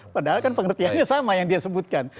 padahal kan pengertiannya sama yang dia sebutkan